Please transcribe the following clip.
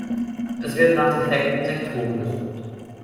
Es wird nach defekten Sektoren gesucht.